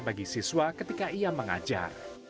bagi siswa ketika ia mengajar